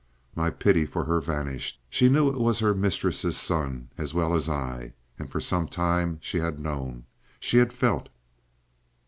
My pity for her vanished. She knew it was her mistress's son as well as I! And for some time she had known, she had felt.